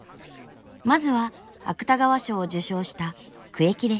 まずは芥川賞を受賞した「苦役列車」